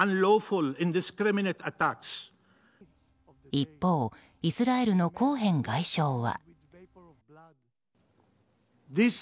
一方、イスラエルのコーヘン外相は。